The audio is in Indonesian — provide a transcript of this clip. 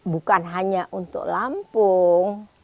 bukan hanya untuk lampung